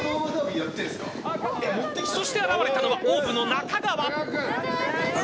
そして、現れたのはＯＷＶの中川。